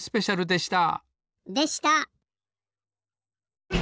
でした！